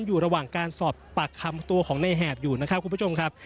อยู่ระหว่างการสอบปากคำตัวของในแหบอยู่นะครับคุณผู้ชมครับ